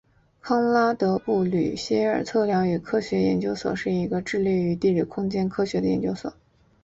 康拉德布吕歇尔测量与科学研究所是一个致力于地理空间科学的研究所。